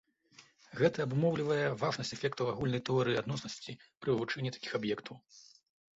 Гэта абумоўлівае важнасць эфектаў агульнай тэорыі адноснасці пры вывучэнні такіх аб'ектаў.